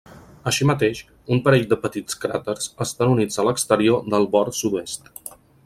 Així mateix, un parell de petits cràters estan units a l'exterior del bord sud-est.